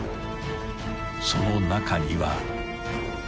［その中には］